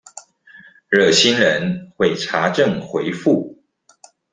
熱心人會查證回覆